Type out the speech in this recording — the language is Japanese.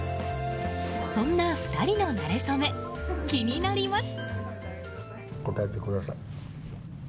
そんな２人の馴れ初め気になります。